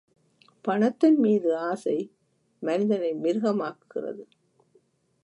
பணத்தின் மீது ஆசை, மனிதனை மிருக மாக்குகிறது.